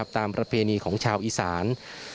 ประเพณีของชาวอีสาน